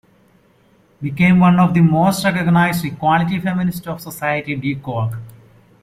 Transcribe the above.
Became one of the most recognized equality feminists of society 'De Kroeg'.